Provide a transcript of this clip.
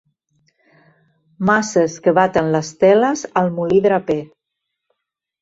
Maces que baten les teles al molí draper.